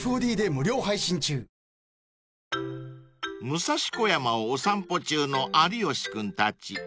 ［武蔵小山をお散歩中の有吉君たち］